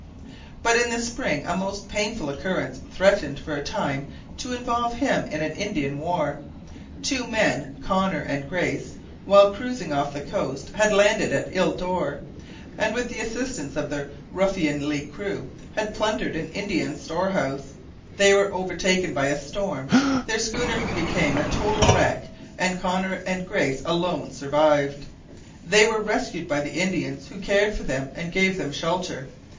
But in the spring a most painful occurrence threatened for a time to involve him in an Indian war. Two men, Connor and Grace, while cruising off the coast, had landed at Ile Dore, and with the assistance of their ruffianly crew had plundered an Indian storehouse. They were overtaken by a storm, their schooner became a total wreck, and Connor and Grace alone survived. They were rescued by the Indians, who cared for them and gave them shelter.